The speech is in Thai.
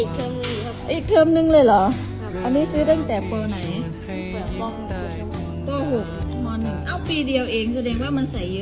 ถ้าใส่เยอะมันก็เลยหนักใช่มั้ย